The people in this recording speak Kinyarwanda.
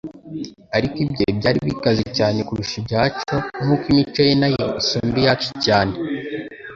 Ariko ibye byari bikaze cyane kurusha ibyacu nk'uko imico ye nayo isumba iyacu cyane.